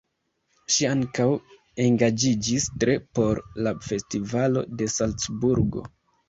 Ŝi ankaŭ engaĝiĝis tre por la Festivalo de Salcburgo.